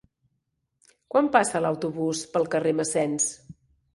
Quan passa l'autobús pel carrer Massens?